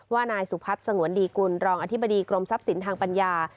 นายสุพัฒน์สงวนดีกุลรองอธิบดีกรมทรัพย์สินทางปัญญา